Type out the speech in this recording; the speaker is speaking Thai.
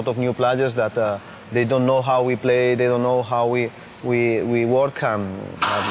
ทุกคนไม่รู้ว่าเราจะเล่นแบบนี้ไม่รู้ว่าเราจะทำงานแบบนี้